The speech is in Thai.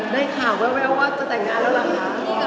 ได้ไหมคะ